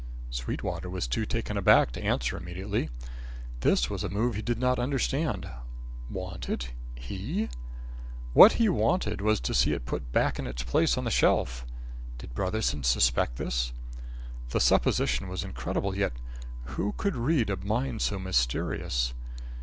Sweetwater was too taken aback to answer immediately. This was a move he did not understand. Want it, he? What he wanted was to see it put back in its place on the shelf. Did Brotherson suspect this? The supposition was incredible; yet who could read a mind so mysterious?